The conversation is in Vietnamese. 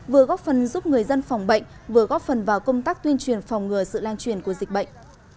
vừa góp phần giúp người dân phòng bệnh vừa góp phần vào công tác tuyên truyền phòng ngừa sự lan truyền của dịch bệnh